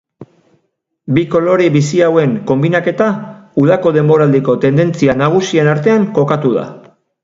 Bi kolore bizi hauen konbinaketa udako denboraldiko tendentzia nagusien artean kokatu da.